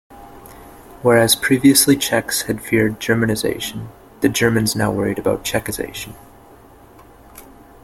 Whereas previously Czechs had feared Germanization, the Germans now worried about Czechization.